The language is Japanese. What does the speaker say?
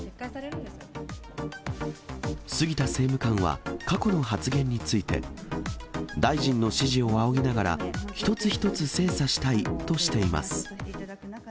杉田政務官は過去の発言について、大臣の指示を仰ぎながら、一つ一つ精査したいとしています。